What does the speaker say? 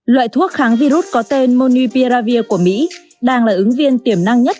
loại thuốc kháng virus có tên monipiravir của mỹ đang là ứng viên tiềm năng nhất